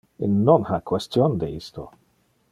Il non ha question de isto.